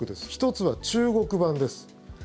１つは中国版です。